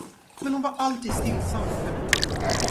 Men hon var alltid stillsam och förnöjd.